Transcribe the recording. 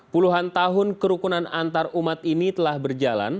puluhan tahun kerukunan antarumat ini telah berjalan